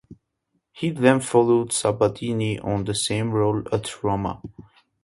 He then followed Sabatini on the same role at Roma.